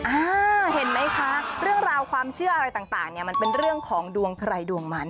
อ่าเห็นไหมคะเรื่องราวความเชื่ออะไรต่างเนี่ยมันเป็นเรื่องของดวงใครดวงมัน